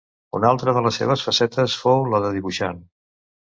Una altra de les seves facetes fou la de dibuixant.